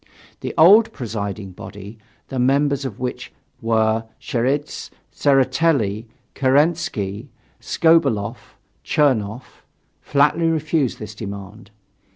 The old presiding body, the members of which were Cheidze, Tseretelli, Kerensky, Skobeloff, Chernoff, flatly refused this demand.